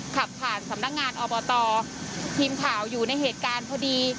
ขับผ่านสำนักงานอบตทีมข่าวอยู่ในเหตุการณ์พอดี